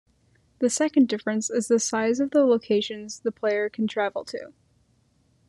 The second difference is the size of the locations the player can travel to.